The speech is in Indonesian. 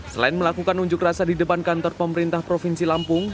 selain melakukan unjuk rasa di depan kantor pemerintah provinsi lampung